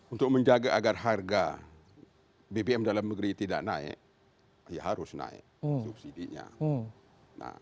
untuk menjaga agar harga bbm dalam negeri tidak naik ya harus naik subsidinya